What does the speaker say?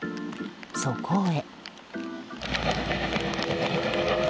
そこへ。